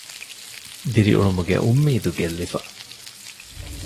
ދިރިއުޅުމުގެ އުންމީދު ގެއްލިފަ